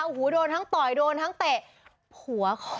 โอ้โหโดนทั้งต่อยโดนทั้งเตะหัวคอ